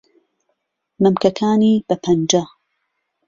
مهمکهکانی به پهنجه